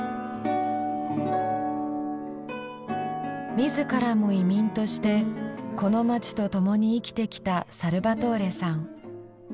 自らも移民としてこの街とともに生きてきたサルバトーレさん。